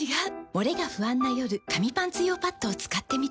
モレが不安な夜紙パンツ用パッドを使ってみた。